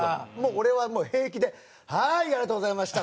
俺はもう平気で「はいありがとうございました！